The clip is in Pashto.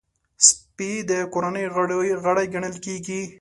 سپي د کورنۍ غړی ګڼل کېږي.